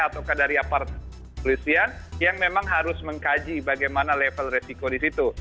atau dari apart polisian yang memang harus mengkaji bagaimana level resiko di situ